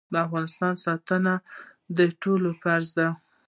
د افغانستان ساتنه د ټولو فرض دی